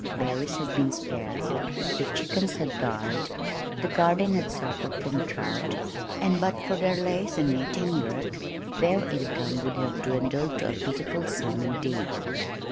Berries had been scarce, the chickens had died, the garden had suffered from drought, and but for their lace and knitting work, their income would have dwindled to a pitiful sum indeed.